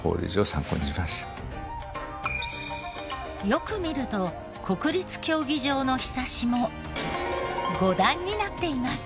よく見ると国立競技場の庇も５段になっています。